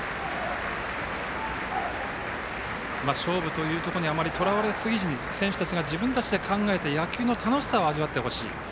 勝負というところにあまりとらわれすぎずに選手たちが自分たちで考えて野球の楽しさを味わってほしい。